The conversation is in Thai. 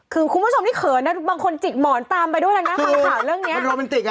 คือคุณผู้ชมที่เขินนะบางคนจิกหมอนตามไปด้วยนะฟังข่าวเรื่องนี้เป็นโรแมนติกอ่ะ